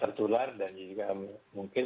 tertular dan juga mungkin